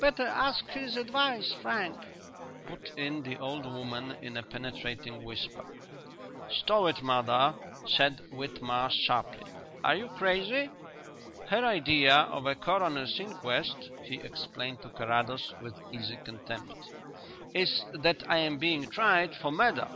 Better ask his advice, Frank," put in the old woman in a penetrating whisper. "Stow it, mother!" said Whitmarsh sharply. "Are you crazy? Her idea of a coroner's inquest," he explained to Carrados, with easy contempt, "is that I am being tried for murder.